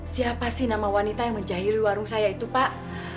siapa sih nama wanita yang menjahili warung saya itu pak